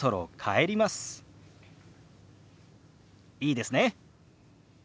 いいですね？